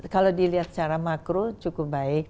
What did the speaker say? kalau dilihat secara makro cukup baik